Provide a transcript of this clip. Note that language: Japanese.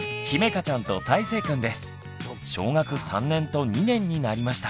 小学３年と２年になりました。